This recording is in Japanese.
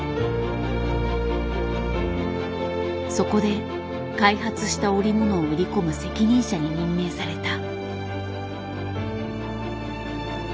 そこで開発した織物を売り込む責任者に任命された。